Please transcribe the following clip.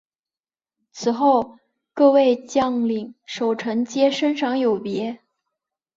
此后各位将领守臣皆升赏有别。